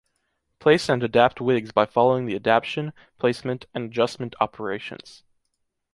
Place and adapt wigs by following the adaption, placement and adjustment operations.